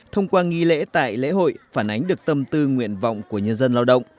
thông qua nghi lễ tại lễ hội phản ánh được tâm tư nguyện vọng của nhân dân lao động